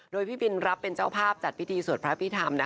โดยพี่บินรับเป็นเจ้าภาพจัดพิธีสวดพระพิธรรม